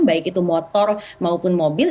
baik itu motor maupun mobil